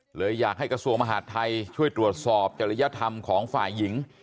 เลยอยากให้กระทรวงมหาดไทยช่วยตรวจสอบจริยธรรมของฝ่ายหญิง